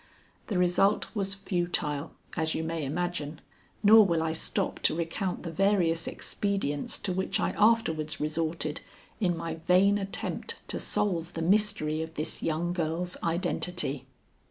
The result was futile, as you may imagine; nor will I stop to recount the various expedients to which I afterwards resorted in my vain attempt to solve the mystery of this young girl's identity.